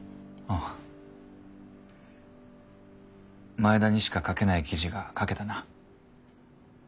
前田にしか書けない記事が書けたな。